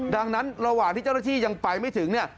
ดังนั้นระหว่างที่เจ้าหน้าที่ยังไปไม่ถึงเนี่ย